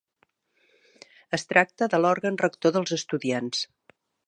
Es tracta de l'òrgan rector dels estudiants.